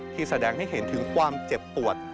แสดงให้เห็นถึงความเจ็บปวด